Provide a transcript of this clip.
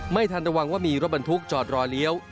ไม่ทันระวังว่ามีรถบรรทุกจอดรอเลี้ยว